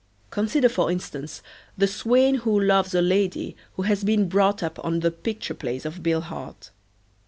Consider for instance the swain who loves a lady who has been brought up on the picture plays of Bill Hart.